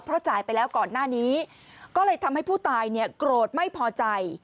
เพราะจ่ายไปแล้วก่อนหน้านี้ก็เลยทำให้ผู้ตายเนี่ยโกรธไม่พอใจ